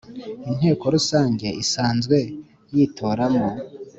Inteko Rusange Isanzwe yitoramo